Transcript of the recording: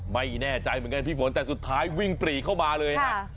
ไม่แน่ใจเหมือนกันพี่ฝนแต่สุดท้ายวิ่งปรีเข้ามาเลยฮะ